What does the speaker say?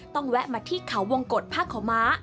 ต้องแวะมาที่เขาวงกฎภาคของม้า